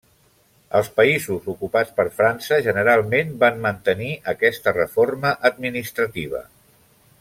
Els països ocupats per França generalment van mantenir aquesta reforma administrativa.